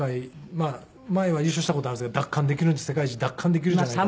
まあ前は優勝した事あるんですが奪還できるんじゃ世界一奪還できるんじゃないかと。